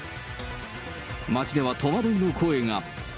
街では戸惑いの声が。